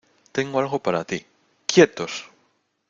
Tengo algo para ti. ¡ quietos!